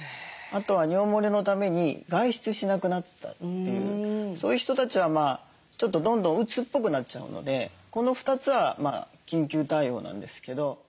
あとは尿もれのために外出しなくなったというそういう人たちはちょっとどんどんうつっぽくなっちゃうのでこの２つは緊急対応なんですけど。